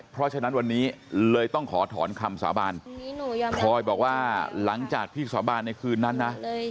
เพราะฉะนั้นวันนี้เลยต้องขอถอนคำสาบานพลอยบอกว่าหลังจากพี่สาบานในคืนนั้นนะ